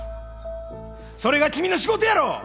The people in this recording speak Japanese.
それが君の仕事やろ！